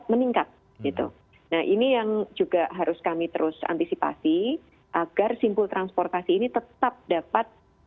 meningkat gitu nah ini yang juga harus kami terus antisipasi agar simpul transportasi ini tetap dapat